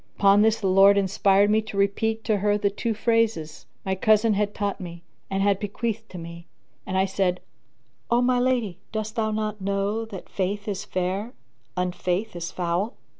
Upon this the Lord inspired me to repeat to her the two phrases my cousin had taught me, and had bequeathed to me, and I said, "O my lady, dost thou not know that Faith is fair, Unfaith is foul?"